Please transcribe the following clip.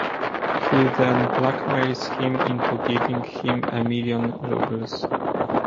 He then blackmails him into giving him a million rubles.